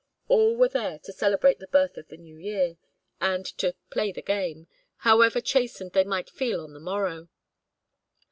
All were there to celebrate the birth of the New Year, and to "play the game," however chastened they might feel on the morrow.